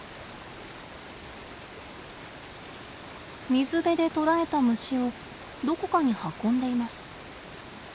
水辺で捕らえた虫をどこかに運んでいます。